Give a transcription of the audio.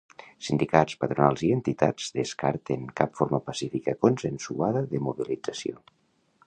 Sindicats, patronals i entitats descarten "cap forma pacífica i consensuada de mobilització".